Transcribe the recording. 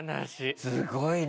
すごいな。